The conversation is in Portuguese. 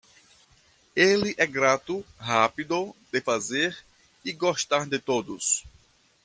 Ele é grato, rápido de fazer e gostar de todos.